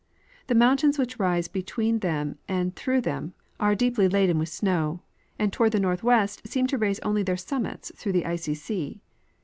The moun tains Avhich rise between them and through them are deeply laden with snow, and toward the northwest seem to raise only their summits through the icy sea.